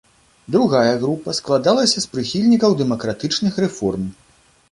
Другая група складалася з прыхільнікаў дэмакратычных рэформ.